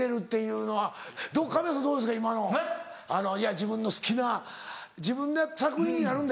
自分の好きな自分の作品になるんだ？